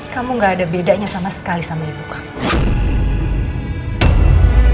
kamu gak ada bedanya sama sekali sama ibu kamu